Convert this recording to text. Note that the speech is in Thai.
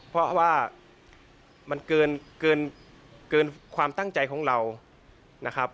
เพราะว่ามันเกินความตั้งใจของเรานะครับ